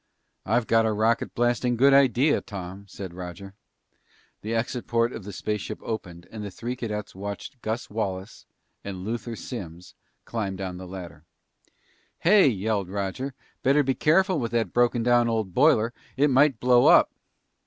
"I've got a rocket blasting good idea, Tom," said Roger. The exit port of the spaceship opened, and the three cadets watched Gus Wallace and Luther Simms climb down the ladder. "Hey," yelled Roger, "better be careful with that broken down old boiler. It might blow up!"